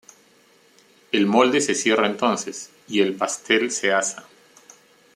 El molde se cierra entonces, y el paste se asa.